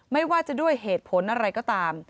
ไม่ว่าจะด้วยเหตุผลอะไรก็ตาม